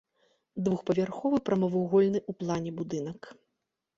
Двухпавярховы прамавугольны ў плане будынак.